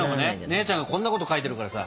姉ちゃんがこんなこと書いてるからさ。